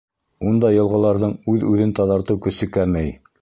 Ундай йылғаларҙың үҙ-үҙен таҙартыу көсө кәмей.